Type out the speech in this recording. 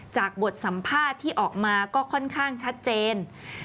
บทสัมภาษณ์ที่ออกมาก็ค่อนข้างชัดเจน